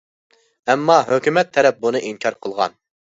ئەمما ھۆكۈمەت تەرەپ بۇنى ئىنكار قىلغان.